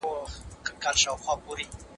تحلیل بشپړ شوی دی.